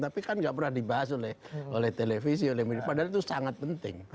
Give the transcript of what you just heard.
tapi kan nggak pernah dibahas oleh televisi oleh media padahal itu sangat penting